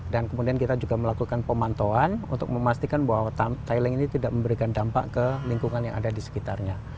dan kemudian kita juga melakukan pemantauan untuk memastikan bahwa tiling ini tidak memberikan dampak ke lingkungan yang ada di sekitarnya